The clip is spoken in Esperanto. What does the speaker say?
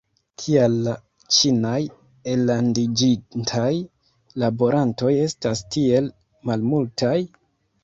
Kial la ĉinaj ellandiĝintaj laborantoj estas tiel malmultaj?